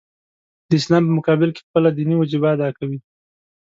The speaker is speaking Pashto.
د اسلام په مقابل کې خپله دیني وجیبه ادا کوي.